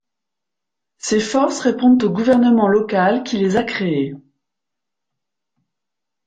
Ces forces répondent au gouvernement local qui les a créées.